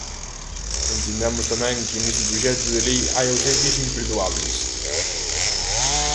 Entendemos tamén que neste proxecto de lei hai ausencias imperdoables.